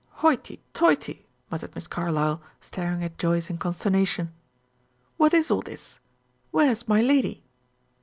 "Hoity toity!" muttered Miss Carlyle, staring at Joyce in consternation. "What is all this? Where's my lady?"